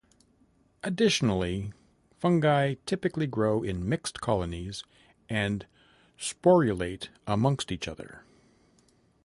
Additionally, fungi typically grow in mixed colonies and sporulate amongst each other.